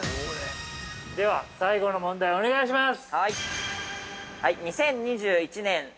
◆では、最後の問題お願いします。